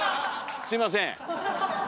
すいません。